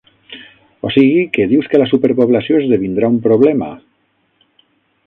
O sigui que dius que la superpoblació esdevindrà un problema?